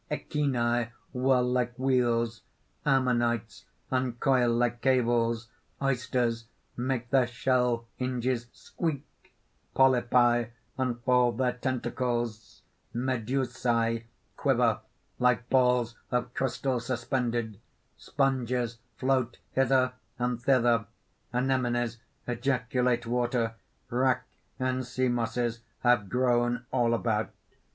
Echini whirl like wheels; ammonites uncoil like cables; oysters make their shell hinges squeak; polypi unfold their tentacles; medusæ quiver like balls of crystal suspended; sponges float hither and thither, anemones ejaculate water; wrack and sea mosses have grown all about.